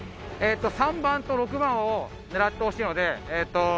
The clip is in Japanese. ３番と６番を狙ってほしいのでえっと